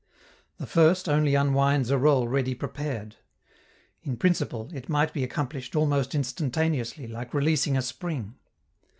The first only unwinds a roll ready prepared. In principle, it might be accomplished almost instantaneously, like releasing a spring.